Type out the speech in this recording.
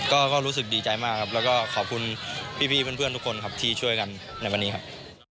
ก็รู้สึกดีใจมากครับแล้วก็ขอบคุณพี่เพื่อนทุกคนครับที่ช่วยกันในวันนี้ครับ